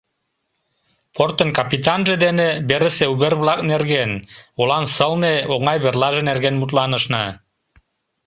Портын капитанже дене верысе увер-влак нерген, олан сылне, оҥай верлаже нерген мутланышна.